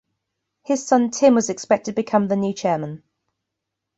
His son Tim was expected to become the new chairman.